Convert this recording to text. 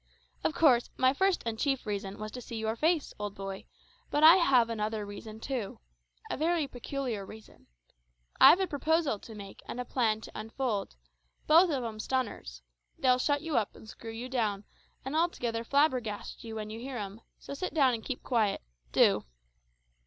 Of course, my first and chief reason was to see your face, old boy; but I have another reason too a very peculiar reason. I've a proposal to make and a plan to unfold, both of 'em stunners; they'll shut you up and screw you down, and altogether flabbergast you when you hear 'em, so sit down and keep quiet do."